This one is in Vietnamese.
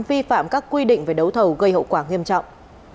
vi phạm các quy định về đấu thầu gây hậu quả nghiêm trọng